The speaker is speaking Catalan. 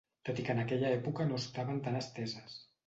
Tot i que en aquella època no estaven tan esteses.